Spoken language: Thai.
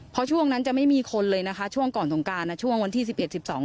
เพราะช่วงนั้นจะไม่มีคนเลยนะคะช่วงก่อนสงการอ่ะช่วงวันที่สิบเอ็ดสิบสอง